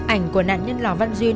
ảnh của nạn nhân lò văn duyên